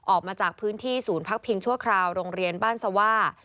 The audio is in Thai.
ออกมาจากพื้นที่ศูนย์พักพิงชั่วคราวโรงเรียนบ้านสว่า